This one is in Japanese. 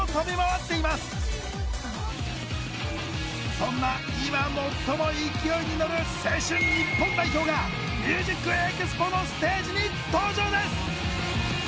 そんな今最も勢いに乗る「青春日本代表」が「ＭＵＳＩＣＥＸＰＯ」のステージに登場です！